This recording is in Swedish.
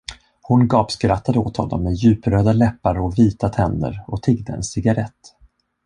Hon gapskrattade åt honom med djupröda läppar och vita tänder och tiggde en cigarrett.